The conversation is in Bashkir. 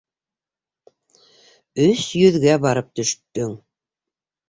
Өс йөҙгә барып төштөң.